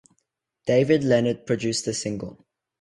David Leonard produced the single.